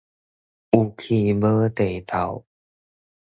有氣無地敨